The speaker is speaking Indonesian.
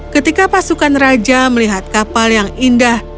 ketika pasukan raja melihat kapal yang indah